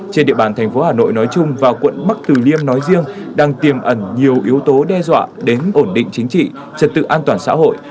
trên địa bàn thành phố hà nội nói chung và quận bắc từ liêm nói riêng đang tiềm ẩn nhiều yếu tố đe dọa đến ổn định chính trị trật tự an toàn xã hội